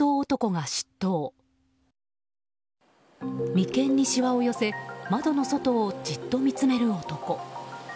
眉間にしわを寄せ窓の外をじっと見つめる男。